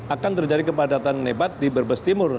akan terjadi kepadatan nebat di berbes timur